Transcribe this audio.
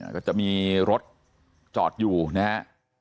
ก็จะมีรถจอดอยู่นะฮะ